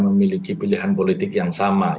memiliki pilihan politik yang sama